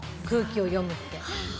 空気を読むって。